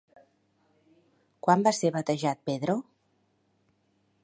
Quan va ser batejat Pedro?